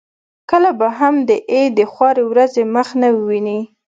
کله به هم دای د خوارې ورځې مخ نه وویني.